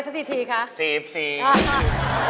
โคตรชีพสีพสีพ